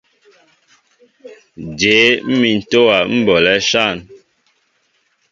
Jě mmin ntówa ḿ bolɛέ áshȃn ?